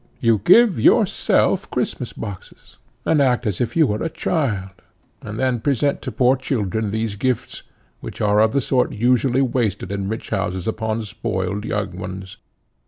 You give yourself Christmas boxes, and act as if you were a child, and then present to poor children these gifts, which are of the sort usually wasted in rich houses upon spoiled young ones.